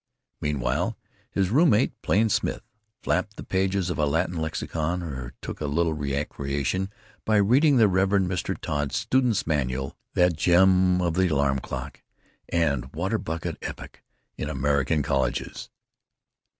Meanwhile his room mate, Plain Smith, flapped the pages of a Latin lexicon or took a little recreation by reading the Rev. Mr. Todd's Students' Manual, that gem of the alarm clock and water bucket epoch in American colleges.